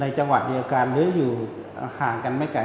จังหวัดเดียวกันหรืออยู่ห่างกันไม่ไกล